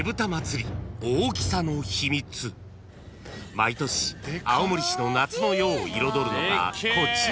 ［毎年青森市の夏の夜を彩るのがこちら］